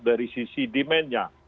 dari sisi demandnya